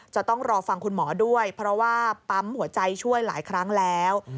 จะต้องรอฟังคุณหมอด้วยเพราะว่าปั๊มหัวใจช่วยหลายครั้งแล้ว